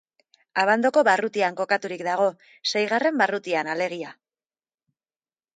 Abandoko barrutian kokaturik dago, seigarren barrutian alegia.